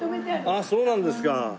あっそうなんですか。